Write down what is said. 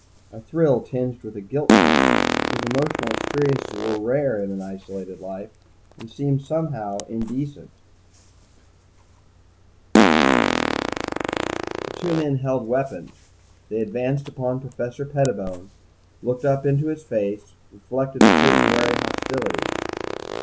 A thrill tinged with a guilt sense, because emotional experiences were rare in an isolated life and seemed somehow indecent. The two men held weapons. They advanced upon Professor Pettibone, looked up into his face, reflected a certain wary hostility.